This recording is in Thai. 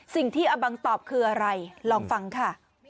สิ่งที่อาบังตอบคืออะไรลองฟังค่ะ